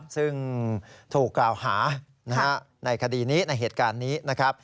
ซึ่งถูกกล่าวหาในคดีนี้ในเหตุการณ์นี้นะครับ